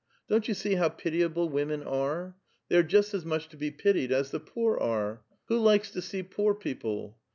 Don't you see how pitiable women are? They are just as much to be pitied as the poor are. Who likes to see poor people